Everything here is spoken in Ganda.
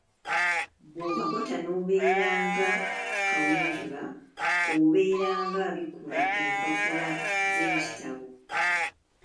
Bw'okakwata n'obeera ng'akawenjula obeera ng'abikkula empapula z'ekitabo.